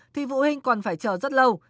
thì vụ hình còn phải chờ rất lâu